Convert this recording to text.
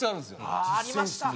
ああーありました！